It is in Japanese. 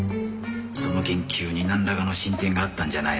その研究になんらかの進展があったんじゃないのかってな。